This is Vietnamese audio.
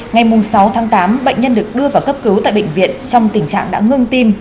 ngày sáu tháng tám bệnh nhân được đưa vào cấp cứu tại bệnh viện trong tình trạng đã ngưng tim